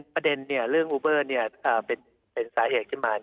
ประเด็นเรื่องอูเบอร์เป็นสาเหตุขึ้นมา